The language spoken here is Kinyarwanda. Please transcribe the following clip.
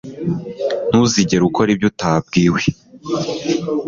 Ntuzigera ukora ibyo utabwiwe